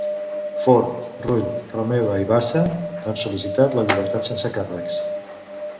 Forn, Rull, Romeva i Bassa han sol·licitat la llibertat sense càrrecs.